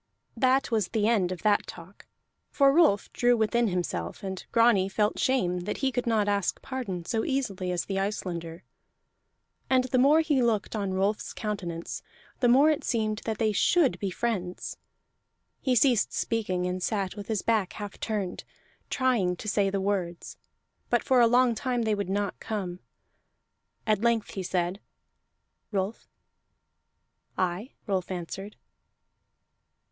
That was the end of that talk, for Rolf drew within himself, and Grani felt shame that he could not ask pardon so easily as the Icelander; and the more he looked on Rolf's countenance the more it seemed that they should be friends. He ceased speaking, and sat with his back half turned, trying to say the words; but for a long time they would not come. At length he said: "Rolf." "Aye?" Rolf answered.